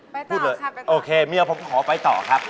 ไปต่อค่ะไปต่อโอเคเมียผมขอไปต่อครับ